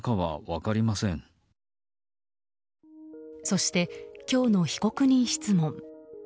そして、今日の被告人質問。